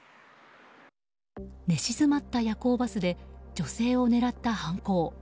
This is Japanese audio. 寝静まった夜行バスで女性を狙った犯行。